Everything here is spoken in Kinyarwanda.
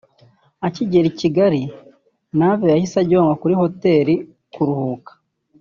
Akigera i Kigali Navio yahise ajyanwa kuri Hotel kuruhuka